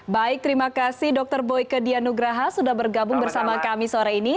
baik terima kasih dr boyke dianugraha sudah bergabung bersama kami sore ini